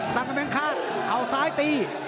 ตั้งกำแมงคาเขาสายตี